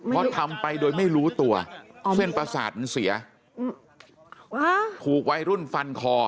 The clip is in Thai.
เพราะทำไปโดยไม่รู้ตัวเส้นประสาทมันเสียถูกวัยรุ่นฟันคอ